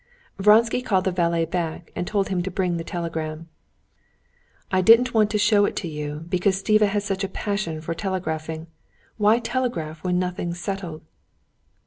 Vronsky called the valet back, and told him to bring the telegram. "I didn't want to show it to you, because Stiva has such a passion for telegraphing: why telegraph when nothing is settled?"